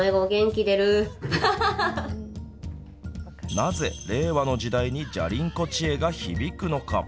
なぜ令和の時代にじゃりン子チエが響くのか。